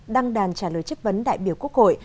đăng đàn trả lời chất vấn đại biểu quốc hội